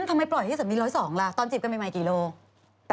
ทำไมปล่อยให้สามี๑๐๒กิโลกรัมล่ะตอนจีบกันใหม่กี่กิโลกรัม